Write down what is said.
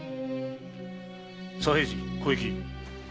左平次小雪。